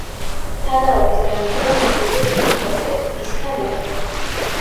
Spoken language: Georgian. თანაობის დამატება მოგვიგებს კითხვებზე: ვისთან ერთად?